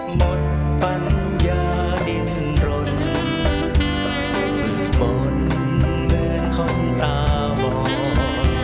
หมดปัญญาดินรนดมนต์เหมือนคนตาบอด